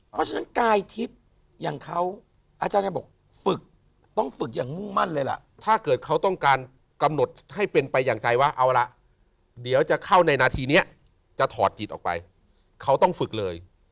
เพราะฉะนั้นกายทิพย์อย่างเขาอาจารย์ยังบอกฝึกต้องฝึกอย่างมุ่งมั่นเลยล่ะถ้าเกิดเขาต้องการกำหนดให้เป็นไปอย่างใจว่าเอาละเดี๋ยวจะเข้าในนาทีนี้จะถอดจิตออกไปเขาต้องฝึกเลย